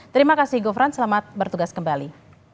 terima kasih gufran selamat bertugas kembali